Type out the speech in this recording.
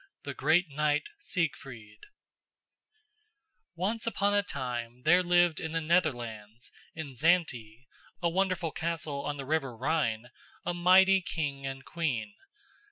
THE GREAT KNIGHT SIEGFRIED Once upon a time there lived in the Netherlands, in Xante, a wonderful castle on the river Rhine, a mighty king and queen.